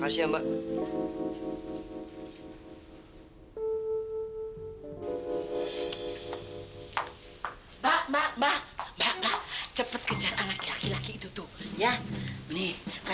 sampai jumpa di video selanjutnya